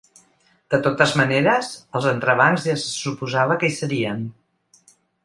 De totes maneres, els entrebancs ja se suposava que hi serien.